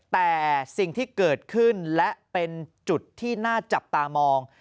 แต่สิ่งที่เกิดขึ้นและเป็นจุดที่น่าจับตามอง